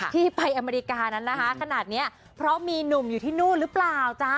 ที่ไปอเมริกานั้นนะคะขนาดนี้เพราะมีหนุ่มอยู่ที่นู่นหรือเปล่าจ๊ะ